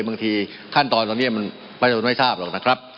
บางทีขั้นตอนตอนนี้ประชาชนไม่ทราบหรอกนะครับ